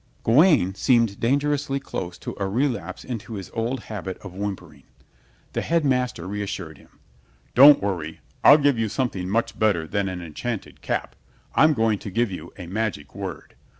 Gawaine seemed dangerously close to a relapse into his old habit of whimpering. The Headmaster reassured him: "Don't worry; I'll give you something much better than an enchanted cap. I'm going to give you a magic word.